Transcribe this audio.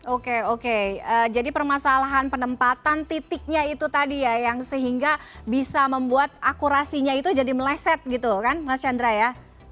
oke oke jadi permasalahan penempatan titiknya itu tadi ya yang sehingga bisa membuat akurasinya itu jadi meleset gitu kan mas chandra ya